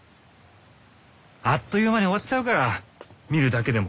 あっという間に終わっちゃうから見るだけでも。